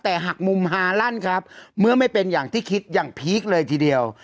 แต่หักมุมฮาลั่นครับเมื่อไม่เป็นอย่างที่คิดอย่างพีคเลยทีเดียว